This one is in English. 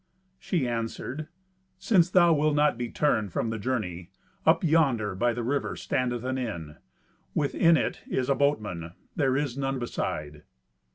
She answered, "Since thou wilt not be turned from the journey, up yonder by the river standeth an inn. Within it is a boatman; there is none beside."